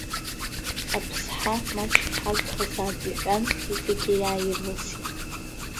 Аԥсҳа маҷк ҳагхазаап иҳәан, иҵегьгьы иааирласит.